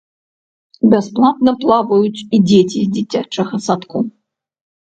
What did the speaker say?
Бясплатна плаваюць і дзеці з дзіцячага садку.